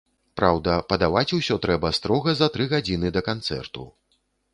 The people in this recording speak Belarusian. Праўда, падаваць усё трэба строга за тры гадзіны да канцэрту.